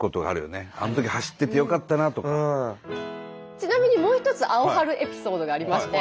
ちなみにもう一つアオハルエピソードがありまして。